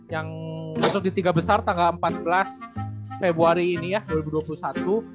yang masuk di tiga besar tanggal empat belas februari ini ya dua ribu dua puluh satu